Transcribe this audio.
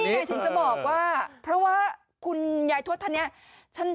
ใครถึงจะบอกว่าเพราะว่าคุณยายทวดท่านเนี่ย